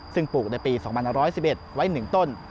ซึ่งปลูกในปี๒๑๑ไว้๑ต้น